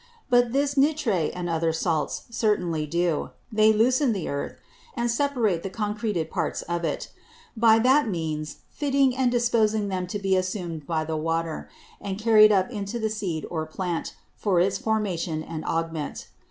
But this Nitre and other Salts certainly do; they loosen the Earth, and separate the concreted Parts of it; by that means fitting and disposing them to be assumed by the Water, and carried up into the Seed or Plant, for its Formation and Augment.